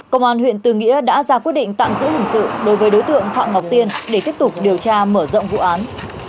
công an huyện tư nghĩa đã ra quyết định tạm giữ hình sự đối với đối tượng phạm ngọc tiên để tiếp tục điều tra mở rộng vụ án